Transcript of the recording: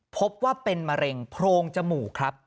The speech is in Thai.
พบว่าเป็นมะเร็งโพรงจมูกครับ